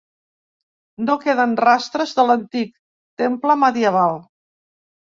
No queden rastres de l'antic temple medieval.